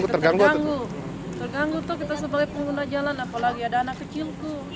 terganggu terganggu tuh kita sebagai pengguna jalan apalagi ada anak kecilku